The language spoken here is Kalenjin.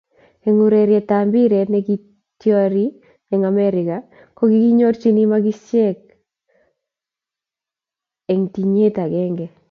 eng ureryetab mpiret nekityori eng Amerika, ko kinyorchini makisiek lo eng tinyet agenge